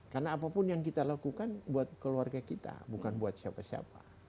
karena apapun yang kita lakukan buat keluarga kita bukan buat siapa siapa